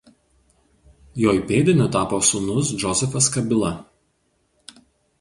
Jo įpėdiniu tapo sūnus Džozefas Kabila.